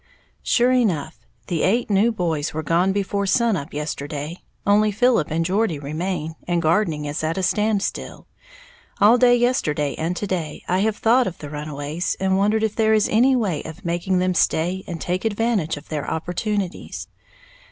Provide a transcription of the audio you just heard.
_ Sure enough, the eight new boys were gone before sun up yesterday, only Philip and Geordie remain, and gardening is at a standstill. All day yesterday and to day I have thought of the runaways, and wondered if there is any way of making them stay and take advantage of their opportunities.